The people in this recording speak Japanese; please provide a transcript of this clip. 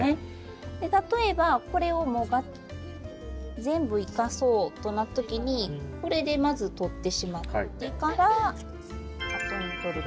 例えばこれを全部生かそうとなった時にこれでまずとってしまってからあとにとるとか。